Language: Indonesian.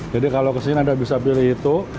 jadi kalau kesini anda bisa pilih itu